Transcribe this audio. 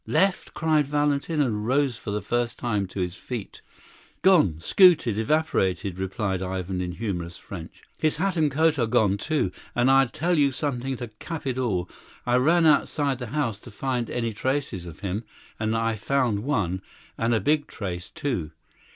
"Left!" cried Valentin, and rose for the first time to his feet. "Gone. Scooted. Evaporated," replied Ivan in humorous French. "His hat and coat are gone, too, and I'll tell you something to cap it all. I ran outside the house to find any traces of him, and I found one, and a big trace, too."